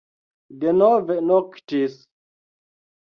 Denove noktis.